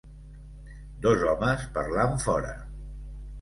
Dos homes parlant fora